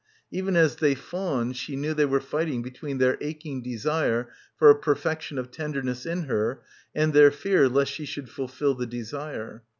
Even as they fawned she knew they were fighting between their aching desire for a perfection of tenderness in her and their fear lest she should fulfil the desire.